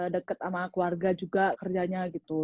deket sama keluarga juga kerjanya gitu